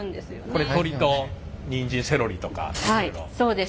これ鶏とにんじんセロリとかそういうの？